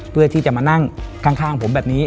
เพื่อที่จะมานั่งข้างผมแบบนี้